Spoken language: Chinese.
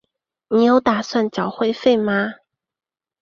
你有打算缴会费吗？